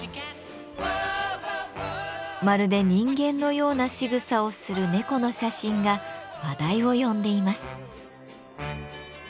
まるで人間のようなしぐさをする猫の写真が話題を呼んでいます。